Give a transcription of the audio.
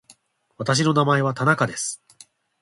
私の名前は田中です。